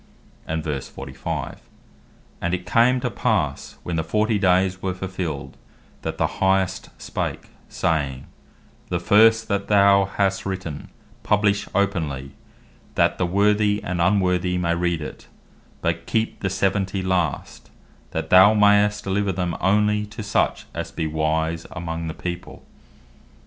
And verse 45. "And it came to passe when the forty dayes were fulfilled, that the Highest spake, saying, 'The first that thou hast written, publish openly, that the worthy and unworthy may read it; but keep the seventy last, that thou mayst deliver them onely to such as be wise among the people.